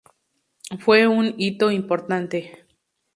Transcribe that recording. Fue un hito importante.